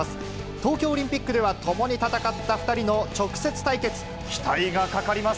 東京オリンピックでは共に戦った２人の直接対決。